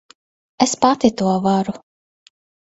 Es pati to varu.